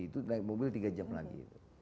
itu naik mobil tiga jam lagi